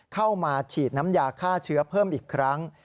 เข้ามาฉีดน้ำยาฆ่าเชื้อเพิ่มอีกครั้ง